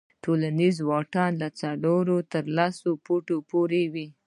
ټولنیز واټن له څلورو تر لسو فوټو پورې وي.